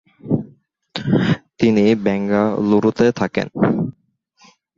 তিনি বেঙ্গালুরুতে থাকেন।